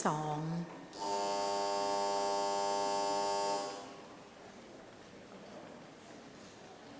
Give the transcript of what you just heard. หมายเล็ก๕